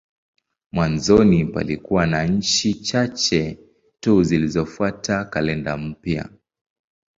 Mwanzoni palikuwa na nchi chache tu zilizofuata kalenda mpya.